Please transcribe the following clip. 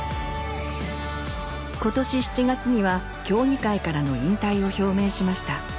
今年７月には競技会からの引退を表明しました。